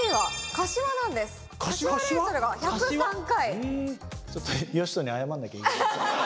柏レイソルが１０３回。